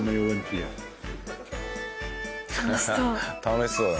楽しそう。